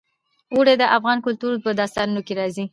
اوړي د افغان کلتور په داستانونو کې راځي.